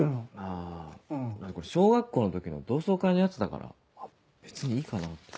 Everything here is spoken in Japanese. あこれ小学校の時の同窓会のやつだから別にいいかなって。